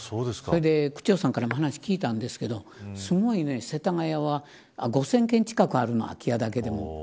区長さんからも話を聞いたんですがすごい世田谷は５０００軒近くあるの空き家だけでも。